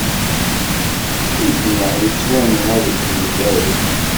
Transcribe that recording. Mmi-tneɣ yettwanɣa deg umgaru.